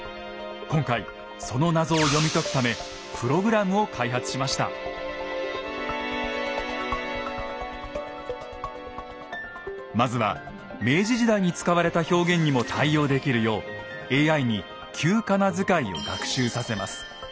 今回その謎を読み解くためまずは明治時代に使われた表現にも対応できるようＡＩに旧仮名遣いを学習させます。